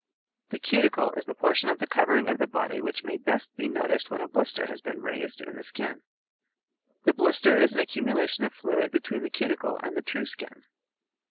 The cuticle is the portion of the covering of the body which may best be noticed when a blister has been raised in the skin. The blister is an accumulation of fluid between the cuticle and the true skin.